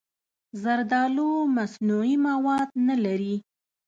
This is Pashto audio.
زردالو مصنوعي مواد نه لري.